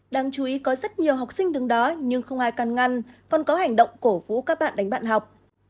đáng chú ý có rất nhiều học sinh đứng đó nhưng không ai căn ngăn còn có hành động cổ vũ các bạn đánh bạn học